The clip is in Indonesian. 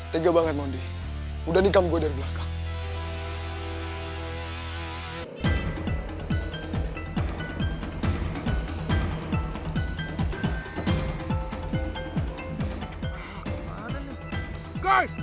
tiga banget mondi udah nikam gue dari belakang